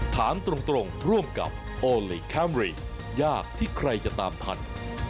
ถามตรงร่วมกับโอลี่คัมรี่ยากที่ใครจะตามทัน